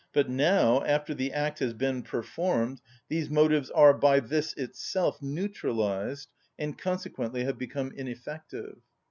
But now, after the act has been performed, these motives are, by this itself, neutralised, and consequently have become ineffective.